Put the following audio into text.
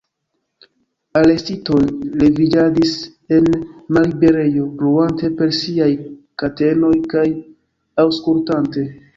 Arestitoj leviĝadis en malliberejo, bruante per siaj katenoj kaj aŭskultante.